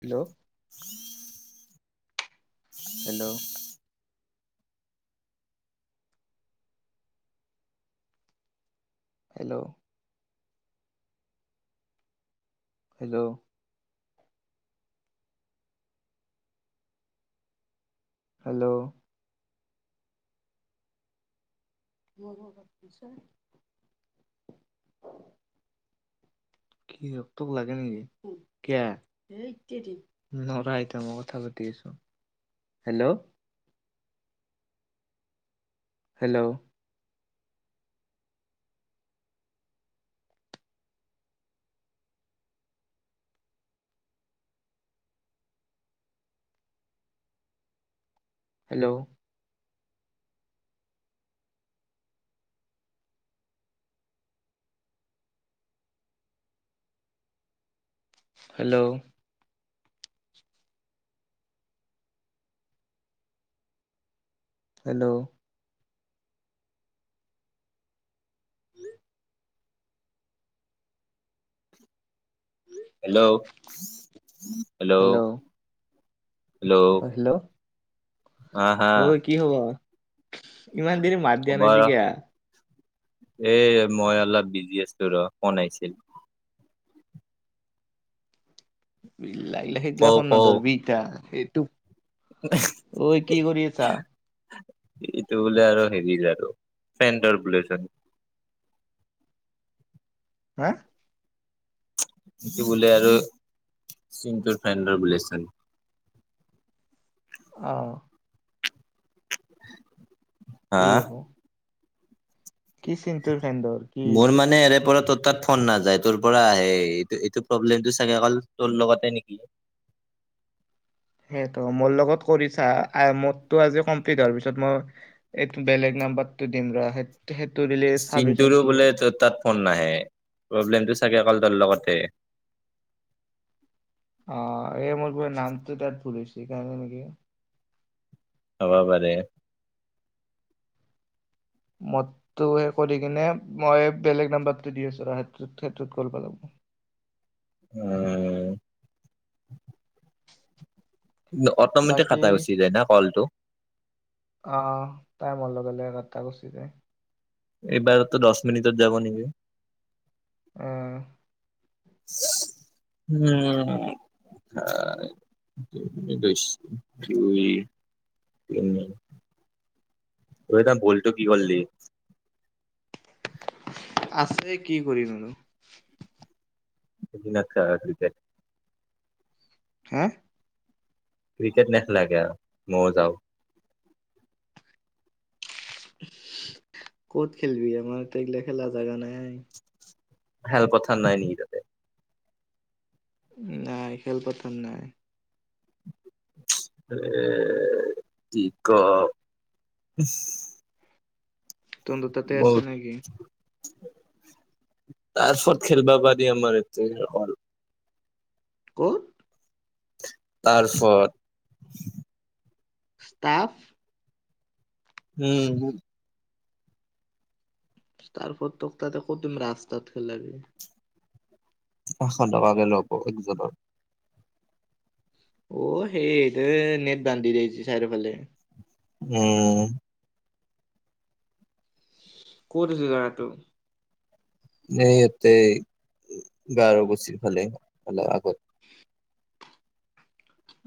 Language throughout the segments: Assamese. Hello? Hello? Hello? Hello? ' Hello? কি ৰোক লাগে নেকি কিয় নৰা, এতিয়া মই কথা পাতি আছো। Hello? Hello? Hello? Hello? Hello? Hello hello? Hello অ' হেল্ল'? হা হা অ' কি খবৰ? ইমান দেৰি মাত দিয়া নাই খবৰ যে কিয়। এ মই অলপ বিজি আছিলো ৰ ফোন আহিছিল। লাগিলা কও সেইগিলাখন কও নধৰবিটা সেই। টোক ঐ কি কৰি আছা? এইটো বোলে আৰু হেৰি আৰু চেণ্টৰ বোলে হা ঐইটো বোলে আৰু চিন্তুৰ ফ্ৰেণ্ডৰ বলে চ অ' [unintelligible] কি আক, কি চিন্তুৰ ফ্ৰণ্ডৰ, কি? মোৰ মানে [unintelligible] সেইটো মোৰ লগত কৰিছা, মতটো আজি কমপ্লিট হোৱাৰ পিছত মই এইটো বেলেগ নাম্বাৰটো দিম ৰ। সেইটো দিলে চাবিচোন চিন্তুটোৰো কি বোলে হয় তাত ফোন নাহে, প্ৰব্লেমটো চাগে তোৰ লগতে অ' এই মোৰ নামটো তাত ভুল হৈছে সেইকাৰণে নেকি। হব পাৰে। মদটো সেই কৰি কিনে মই বেলেগ নাম্বাৰটো দি আছোঁ আৰু সেইটোত সেইটোত গল পালাব উম অটমেটিক বাকী কটা গুচি যায় না কলটো আহ টাইমৰ লগে লগেটাটা গুচি যায় এইবাৰতো দহ মিনিটত যাব নেকি আহ উম, অ', দু দুই, তিনি, তিনি, তই এটা বলটো কি কৰিলি? আছে কি কৰিম আৰু। [unintelligible] হা? ক্ৰিকেট নেখলা কিয়া আৰু ময়ো যাওঁ। ক'ত খেলিবি? আমাৰ তগিলা খেলা জাগা নাই। আই। খেলপথাৰ নাই নেকি তাতে? নাই খেলপথাৰ নাই। এ কি ক' ইচ। তহন্তৰ তাতে আছে নেকি? তাৰছত খেলবা পাৰি আমাৰ এতে এক' ক'ত? তাৰছত ষ্টাফ উম। তাৰপ তক তাতে কদুমি ৰাস্তাত পেলবি আস কাকে লব একজনৰ। অহ, সেইটো নেট বান্ধি দিছে চাৰিদৰ ফালে। উম। ক'ত আছো জেগা টো? এই, এতেই গোৱাৰকুচি ফালে অে আগত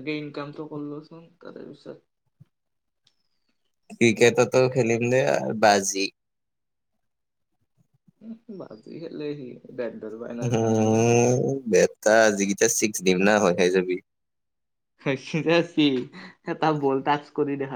আগে ইনকামটো কৰলোচোন তাৰে পিছত ক্ৰিকেটতো খেলিম দে আৰু বাজি উম, বাজি খেলেহি উম, বেটা যিকেইটা চিক্স দিম না ভয় খাই জাবি। [unintelligible] এটা বল টাচ কৰি দেখ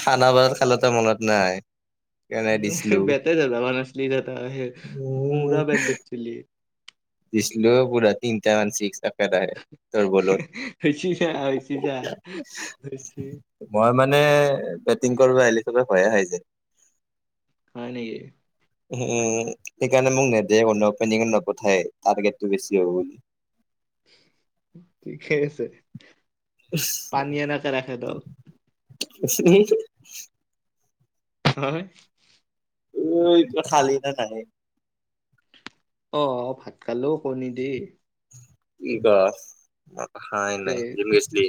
খানাপাৰাত খালোতে মনত নাই কেনে দিছিলো বেটাই ধৰিব পৰা নাছিলি তই। উম মৰা বাত দেখিছিলি। ছিলো পুৰা তিনিটা মান ছিক্স [unintelligible] তোৰ হৈছি যা হৈছি যা বলত। হৈছি মই মানে মানে বেটিং কৰিব আহিলি চবে ভয়ে খাই যায়। হয় নেকি? উম। সেইকাৰণে মোক নেদেও কোনেও অপেনিং ত নপঠায় টাৰগেটটো বেছি হব বুলি। ঠিকেই আছে। পানী অনাকে ৰাখে তোক। [unintelligible] হয়। ঐ কিবা খালী নে নাই? অ, ভাত খালো কণী দি। এইবা হাই নাই, জিম তে গেছলী?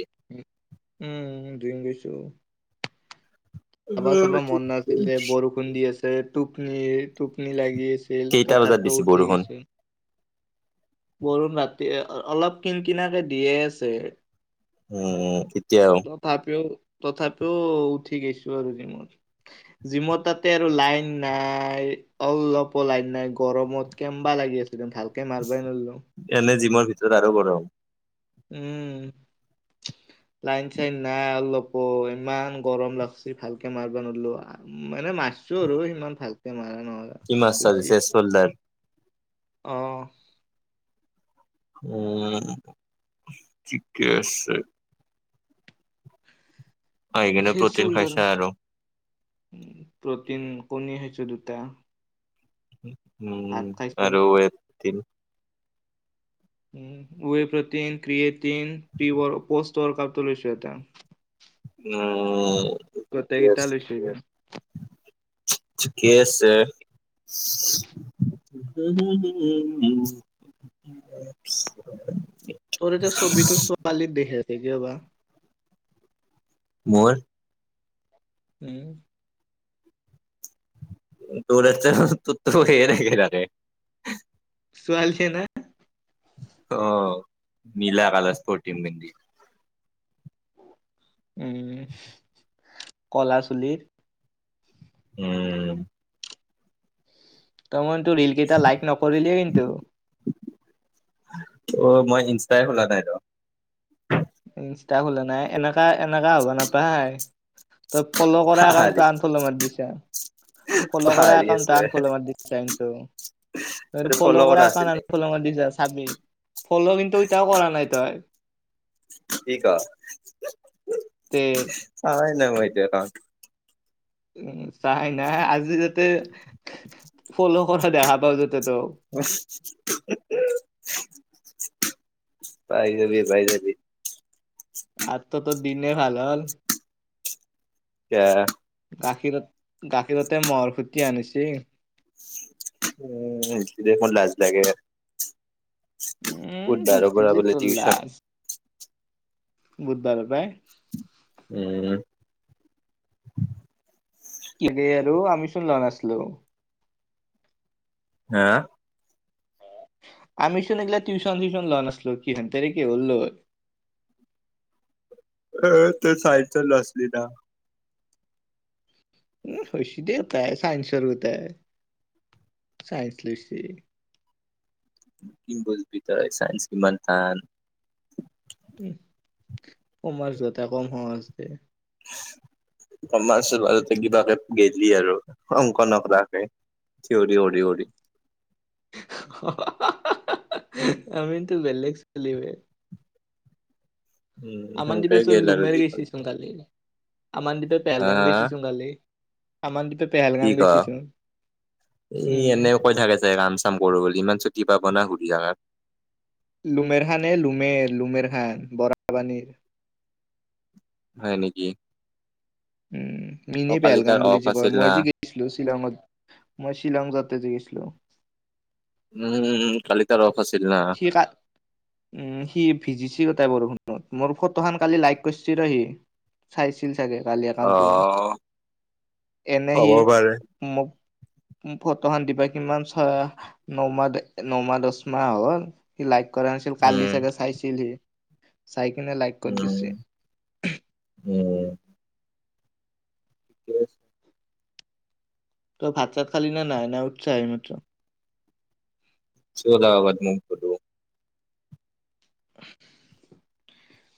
উম, জিম গৈছো। চাবা চাবা মন নাছিলে বৰষুণ দি আছ টোপনি, টোপনি লাগি ছিল কেইটা বজাত তথাপিও দিছে উঠি বৰষুণ গৈছে। বৰুন ৰাতি অলপ কিন কিনাকে দিয়ে আছে। উম, উ তথাপিও তথাপিও উঠি গৈছো আৰু জিমত জিমৰ তাতে আৰু লাইন নাই। অলপো লাইন নাই গৰমত কেম্বা লাগি আছে। একদম, ভালকে মাৰবই নোৱাৰিলোঁ। এনে জিমৰ আৰু গৰম। উম, লাইন-চাইন নাই, অলপো ইমান গৰম লাগছে, ভালকে মাৰিবা নোৱাৰলো, মানে মাৰছো আৰু ইমান ভালকে মৰা কি মাৰচা আজি চেষ্ট চৌলদাৰ। অ'। উম, ঠিকে আছে। আহিকিনে প্ৰটিন খাইছা আৰু। অ' প্ৰটিন কণী খাইছো দুটা। উম। উম ভাত খাইছোঁ বাৰু আটিন whey protein creatine post workout টো লৈছো এতিয়া। উম গোটেইকেইটা লৈছো গে। ঠিকে আছে [unintelligible] তৰ এতে ছবিটো ছোৱালীৰ দেখহে, দেখিব পাৰা, মোৰ উম। তোৰ তোৰটোওত সেই দেখে থাকে। ছোৱালী ই না, অ নীলা কালৰ স্পৰ্টিং পিন্ধি। উম কলা চুলিৰ। উম টামান ৰৰিল কেইটা লাইক নকৰিলেই কিন্তু। ত মই ইনষ্টা ই খোলা নাই তো। ইনষ্টা খোলা নাই এনেক, ত এনেকা হ'ব নাপায় তই ফ'ল' কৰা একাউণ্টটো পাহাৰি আনফ'ল' মাৰ দিছ ফ'ল' কৰা পাহাৰি একাউটো আছো আনফ'ল' মাৰ দিছ কি ত এইটো ফ'ল' কৰা এউ আছিল নেকি আনফল মাৰ দিছ চাবি। ফ'ল' কিন্তু এতিয়াও কৰা নাই তই। কি ক' তে [unintelligible] [unintelligible] উম চাই নাই আজি যাতে ফল' কৰা দেখা পাও যত। [unintelligible] পাই যাবি পাই যাবি। [unintelligible] দিলে ভাল হল। এয়া। গাখীৰত গাখীৰতে মহৰ খুটি আনিছে। উম দেখি দেখোন লাজ লাগে। উম বুধবাৰৰ হৈছে পৰা যে বোলে তোৰ টিউচন। লাজ বুধবাৰৰ পৰা। উম। কি বে আৰু আমি চোন লৰা আছিলো। হা। আমি চোন এইগিলা টিউচন চিউচন লোৱা নাছিলো কি ঘণ্টাৰে কি হল। অহ চাইছে লৰা ছোৱালী না। উম হৈছে দে গোটেই চাইন্সৰ গোটাই চাইন্স লৈছে। কিম বুজবি তই সাইঞ্চ কিমান টান। উম কমাৰ্চ গতা কম সহজ দে। কমাৰ্চতে কিবাকে গেলি আৰু অংকনক ৰাখে থিয়ৰি কৰি কৰি। আমিতো বেলেগ চ'লি বে। উম আমাৰ সেনকে দিপেচোন গেল আৰু লুমেৰ জীৱন গৈছি চোন কালি। আমাৰ দিপে হা পেলগাম হা গেছিছোন কালি। আন দি কি ক এই উম, এনে কৈ থাকে যে কাম চাম কৰো বুলি ইমান ছুটি পাব না। বিহাৰত। লুমেৰহানে লুমেৰ লুমেৰ হান বৰাবানীৰ। হয় নেকি। উম। অ ইনেই কালি বেলগাম তাৰ বুলি অফ যে কয় আছিল মই না যে গৈছিলোঁ শ্বিলঙত মই শ্বিলং যাওঁতে যে গৈছিলো। উম উম কালি তাৰ অফ। আছিল না সি ক উম সি ভিজি চ বৰষুণত, মোৰ ফটো খন কালি লাইক কৰিছিল সি চাইছিল। চাগে কালি অ একাউণ্টটো মোৰ, এনে সি হ'ব পাৰে মোক। ফটো খন দিবা কিমান চা, নমাহ নমাহ-দচমাহ হল। সি লাইক কৰা নাছিল, কালি উম চাগে চাইছিল সি। চাই কিনে লাইক কৰি উম দিছে। উম। ঠিকে আছে। তই ভাত-চাত খালি না নাই। নে উঠাসা হে এইমাত্ৰ? চদবাদ [unintelligible]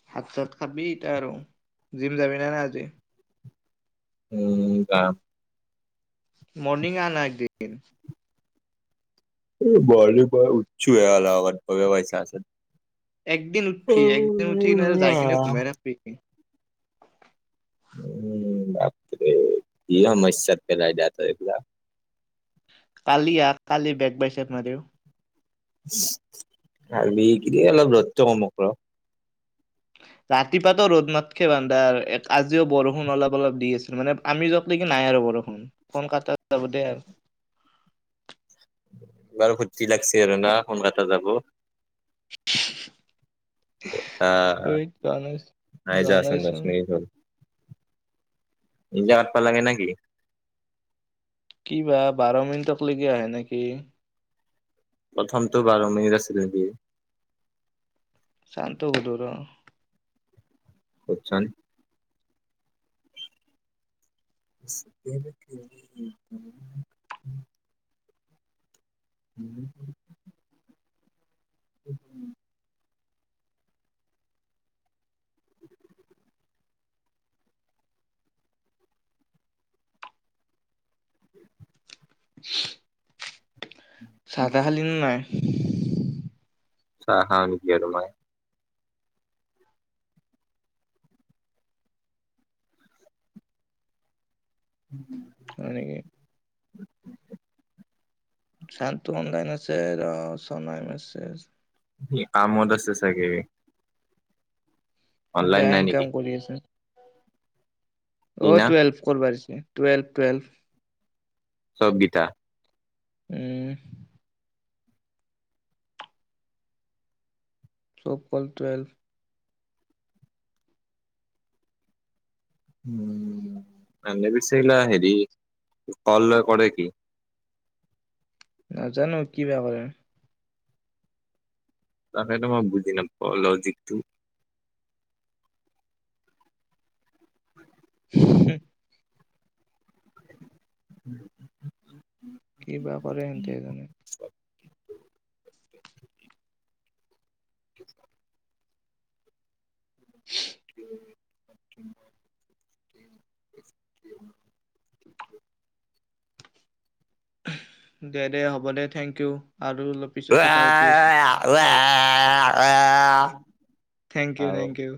ভাত, চাত খাবি এতিয়া আৰু। জিম যাবি ন নাই আজি? উম জাম। মৰ্নিং অহ না একদিন। অহ, মৰ্নিং মই উঠিছোঁ হে আধাঘণ্টা [unintelligible] একদিন উঠিবি। একদিন উঠি কিনে যাই কিনে ঘুমাই থাকিবি। উম, বাপৰে কি সমইচত পেলাই দিয়া তই এতিয়া। কালি আহ। কালি বেগ বাই চাক মাৰিম। কালি। কি দি অলপ ৰ'দটো কমক ৰ ৰাতিপুৱা টো ৰ'দ নাথাকে বান্দা। এক আজিও বৰষুণ অলপ অলপ দি আছিল। মানে আমি যক কিলে কি নাই আৰু বৰষুণ। কন কাতত যাব দে আৰু। বৰ ফূৰ্তি লাগছে আৰু না কোনোবা এটা যাব। [inaudible] আ ধেইত যোৱা নাই যোৱা আ নাইচোন [unintelligible] [unintelligible] লাগে নেকি? কিবা বাৰ মিনিটক লেকি আহে নেকি। প্ৰথমটো বাৰ মিনিট আছিল নেকি? চান্তক সোধো ৰহ। সোধচোন। [unintelligible] [unintelligible] [unintelligible] [inaudible] চাহ-তাহ খালীনে নাই? চাহা খালো [unintelligible] উম। হয় নেকি? [inaudible] শান্তু অনলাইন আছে [unintelligible] সি কামত আছে চাগে। অনলাইন বেয়া নাই ইনকাম নেকি কৰি আছে। কি [inaudible] অ', না টুৱেলভ ফ'ল'ৱাচ। Twelve, twelve. চব গীতা উম। [unintelligible] টুৱেলভ। [unintelligible] হেৰি কল কৰে কি? নাজানো কি বা কৰে। তাকেটো মই বুজি নাপাওঁ, লজিকটো। [inaudible] [inaudible] কি বা কৰে সিহতেহে জানে। [inaudible] [inaudible] [inaudible] দে- দে হ'ব দে থেংক ইউ। আৰু অলপ পিছত কথা পাতি আছো [unintelligible] [unintelligible] থেংক ইউ- আৰু থেংক ইউ।